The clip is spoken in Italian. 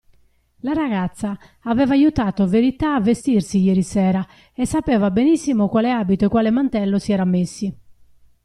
La ragazza aveva aiutato Verità a vestirsi ieri sera e sapeva benissimo quale abito e quale mantello si era messi.